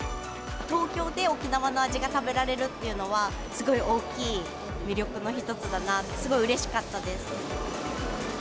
東京で沖縄の味が食べられるというのは、すごい大きい魅力の一つだな、すごいうれしかったです。